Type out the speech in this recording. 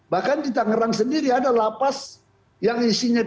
bahkan di tangerang sendiri ada lapas yang isinya